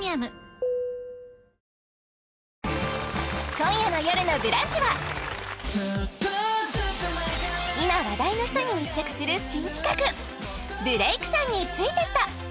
今夜の「よるのブランチ」は今話題の人に密着する新企画「ブレイクさんについてった」